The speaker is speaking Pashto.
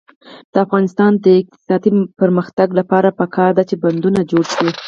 د افغانستان د اقتصادي پرمختګ لپاره پکار ده چې بندونه جوړ شي.